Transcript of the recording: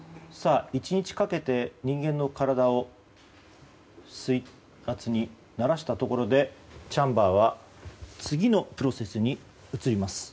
１日かけて人間の体を水圧に慣らしたところでチャンバーは次のプロセスに移ります。